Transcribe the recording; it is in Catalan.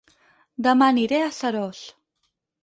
Dema aniré a Seròs